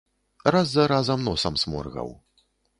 Раз за разам носам сморгаў.